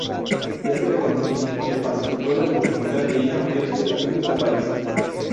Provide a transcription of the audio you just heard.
Este reconocimiento le facilitó la oportunidad de ir a ampliar sus estudios a París.